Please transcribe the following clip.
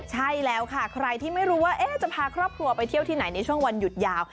ใช่แล้วค่ะใครที่ไม่รู้ว่าจะพาครอบครัวไปเที่ยวที่ไหนในช่วงวันหยุดยาว